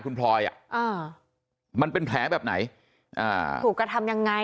คุณพลอยอ่ะอ่ามันเป็นแผลแบบไหนอ่าถูกกระทำยังไง